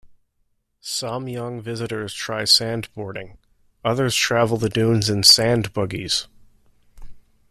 Some young visitors try sandboarding; others travel the dunes in sand buggies.